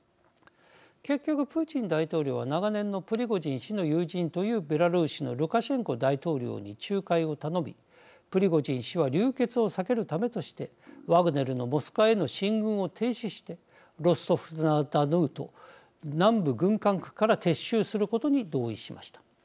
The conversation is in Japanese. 結局、プーチン大統領は長年のプリゴジン氏の友人というベラルーシのルカシェンコ大統領に仲介を頼みプリゴジン氏は流血を避けるためとしてワグネルのモスクワへの進軍を停止してロストフ・ナ・ドヌーと南部軍管区から撤収することに同意しました。